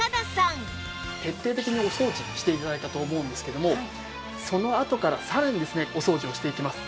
徹底的にお掃除して頂いたと思うんですけどもそのあとからさらにですねお掃除をしていきます。